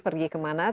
pergi ke mana